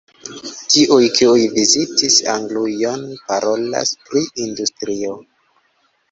Tiuj, kiuj vizitis Anglujon, parolas pri industrio.